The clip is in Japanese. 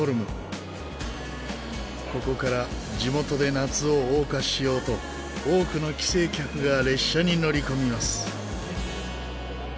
ここから地元で夏を謳歌しようと多くの帰省客が列車に乗り込みます。